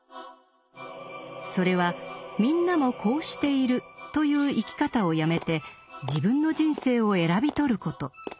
それは「みんなもこうしている」という生き方をやめて自分の人生を選び取ること。